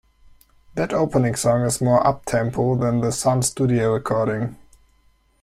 That opening song is more up-tempo than the Sun studio recording.